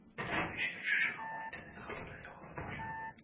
Telefon ishga tushishi hamon internet xabarlari yog`ila boshladi